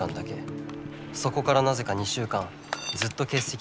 そこからなぜか２週間ずっと欠席が続いてる。